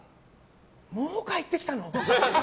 もう帰ってきたのって。